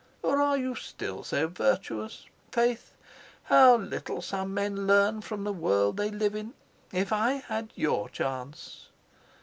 Or are you still so virtuous? Faith, how little some men learn from the world they live in! If I had your chance!"